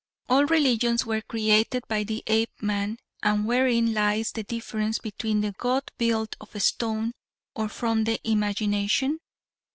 All religions were created by the Apeman; and wherein lies the difference between the god built of stone or from the imagination?